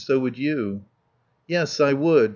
So would you." "Yes. I would.